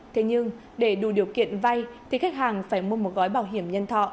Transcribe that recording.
thế nhưng để đủ điều kiện vay thì khách hàng phải mua một gói bảo hiểm nhân thọ